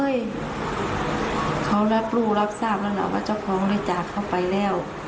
อย่าขอให้แก่มาบั่นเรื่องนี้แหละ